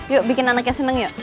yuk bikin anaknya senang yuk